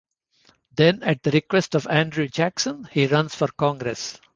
Then at the request of Andrew Jackson, he runs for Congress.